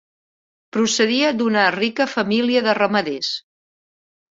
Procedia d'una rica família de ramaders.